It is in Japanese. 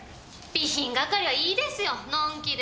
備品係はいいですよのんきで。